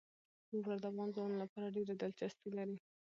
واوره د افغان ځوانانو لپاره ډېره دلچسپي لري.